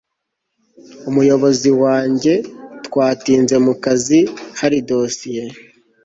umuyobozi wajye twatinze mu kazi hari dosiye